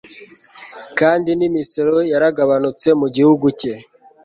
kandi n'imisoro yaragabanutse mu gihugu cye